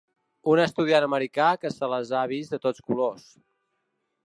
Un estudiant americà que se les ha vist de tots colors.